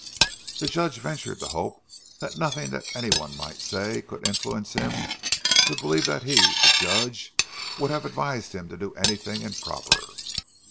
The Judge ventured to hope that nothing that anyone might say could influence him to believe that he, the Judge, would have advised him to do anything improper.